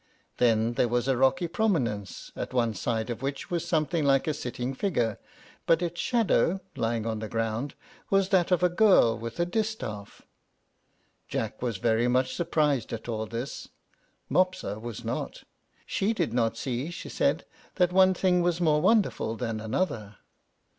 Then there was a rocky prominence, at one side of which was something like a sitting figure, but its shadow, lying on the ground, was that of a girl with a distaff. Jack was very much surprised at all this; Mopsa was not. She did not see, she said, that one thing was more wonderful than another.